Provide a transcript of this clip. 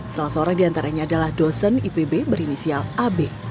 salah seorang diantaranya adalah dosen ipb berinisial ab